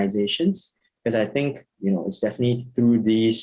hub ini juga akan menjadi pusat untuk